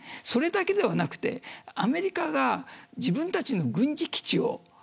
それだけではなくアメリカが自分たちの軍事基地を